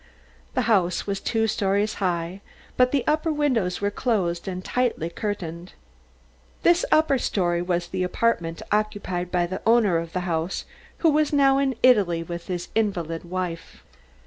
The house was two stories high, but the upper windows were closed and tightly curtained. This upper story was the apartment occupied by the owner of the house, who was now in Italy with his invalid wife.